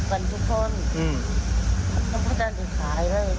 พิทัศน์ก็บอกว่าออกจากอำเภอเมือง